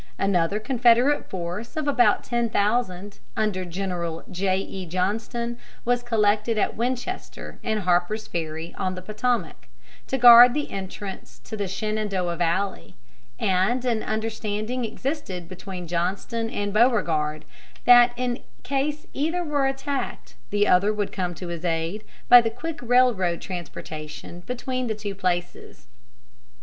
Another Confederate force of about ten thousand, under General J.E. Johnston, was collected at Winchester and Harper's Ferry on the Potomac, to guard the entrance to the Shenandoah valley; and an understanding existed between Johnston and Beauregard, that in case either were attacked, the other would come to his aid by the quick railroad transportation between the two places.